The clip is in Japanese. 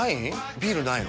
ビールないの？